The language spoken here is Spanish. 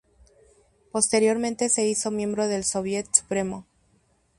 Posteriormente se hizo miembro del Sóviet Supremo.